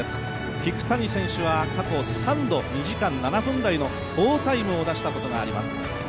聞谷選手は過去３度、２時間７分台の好タイムを出したことがあります。